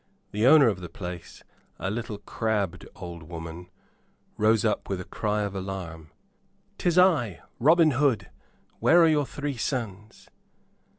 The owner of the place, a little crabbed old woman, rose up with a cry of alarm. "'Tis I, Robin Hood; where are your three sons?"